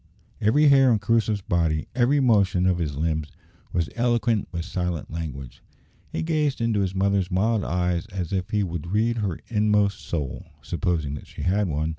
Every hair on Crusoe's body, every motion of his limbs, was eloquent with silent language. He gazed into his mother's mild eyes as if he would read her inmost soul (supposing that she had one).